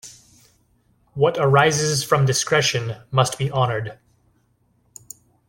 What arises from discretion must be honoured.